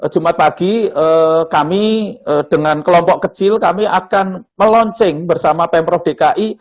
jumat pagi kami dengan kelompok kecil kami akan meluncing bersama pemprov dki